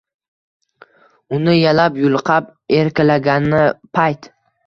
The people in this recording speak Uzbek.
Uni yalab-yulqab erkalagani payt